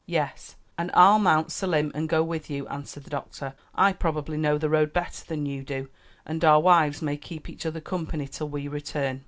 "Yes; and I'll mount Selim and go with you," answered the doctor. "I probably know the road better than you do. And our wives may keep each other company till we return."